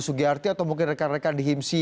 sugiyarti atau mungkin rekan rekan di himsi